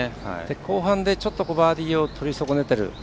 後半でちょっとバーディーをとり損ねている。